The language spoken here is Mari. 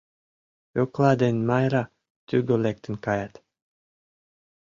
Пӧкла ден Майра тӱгӧ лектын каят.